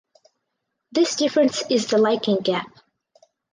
This difference is the liking gap.